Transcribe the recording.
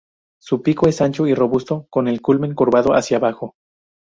Su pico es ancho y robusto, con el culmen curvado hacia abajo.